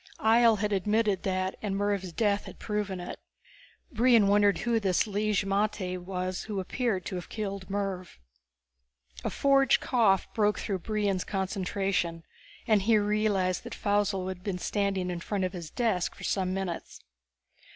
Ihjel had admitted that, and Mervv's death had proven it. Brion wondered who this Lig magte was who appeared to have killed Mervv. A forged cough broke through Brion's concentration, and he realized that Faussel had been standing in front of his desk for some minutes.